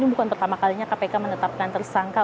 ini bukan pertama kalinya kpk menetapkan tersangka